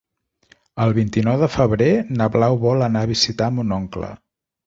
El vint-i-nou de febrer na Blau vol anar a visitar mon oncle.